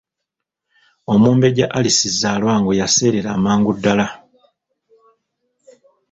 Omumbejja Alice Zzaalwango yaseerera amangu ddala.